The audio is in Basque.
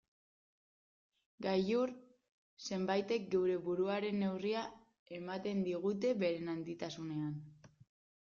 Gailur zenbaitek geure buruaren neurria ematen digute beren handitasunean.